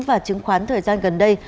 và chứng khoán thời gian gần đây